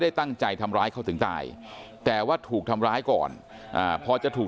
ตั้งใจทำร้ายเขาถึงตายแต่ว่าถูกทำร้ายก่อนพอจะถูก